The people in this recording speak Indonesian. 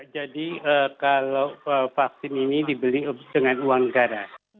jadi kalau vaksin ini dibeli dengan uang negara